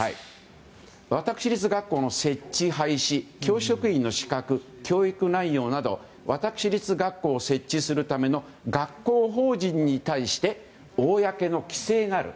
私立学校の設置、配置教職員の資格、教育内容など私立学校を設置するための学校法人に対して公の規制がある。